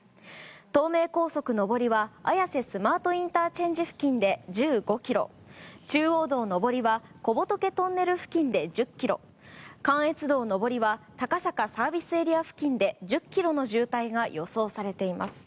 東名高速上りは綾瀬スマートＩＣ付近で１５ｋｍ中央道下りは小仏トンネル付近で１０ｋｍ関越道上りは高坂ＳＡ付近で１０ｋｍの渋滞が予想されています。